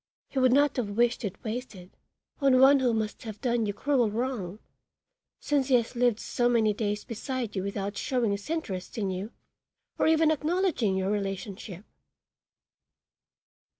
He would not have wished it wasted on one who must have done you cruel wrong, since he has lived so many days beside you without showing his interest in you or even acknowledging your relationship."